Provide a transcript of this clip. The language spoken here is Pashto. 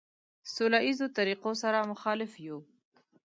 سوله ایزو طریقو سره مخالف یو.